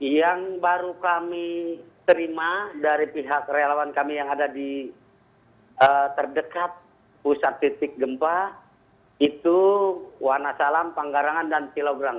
yang baru kami terima dari pihak relawan kami yang ada di terdekat pusat titik gempa itu wanasalam panggarangan dan kilograng